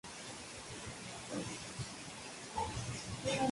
Pero esta vez los judíos mantuvieron el control de la zona tomada.